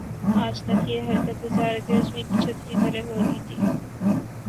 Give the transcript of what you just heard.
آج تک یہ حرکت وزارت عظمی کی چھتری تلے ہو رہی تھی۔